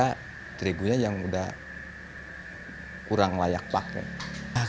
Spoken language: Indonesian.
ada terigunya yang sudah kurang layak pakai